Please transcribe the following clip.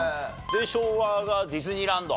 で昭和がディズニーランド。